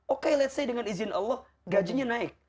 oke let's say dengan izin allah gajinya naik